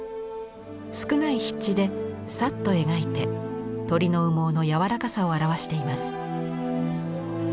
少ない筆致でさっと描いて鳥の羽毛の柔らかさを表しています。